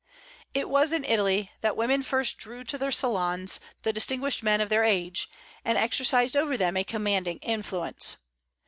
It was in Italy that women first drew to their salons the distinguished men of their age, and exercised over them a commanding influence.